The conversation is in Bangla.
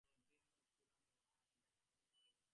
পরদিন কুড়ানির আর দেখা পাওয়া গেল না।